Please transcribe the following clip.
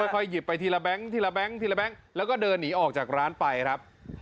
ค่อยหยิบไปทีละแบงก์แล้วก็เดินหนีออกจากร้านไปครับ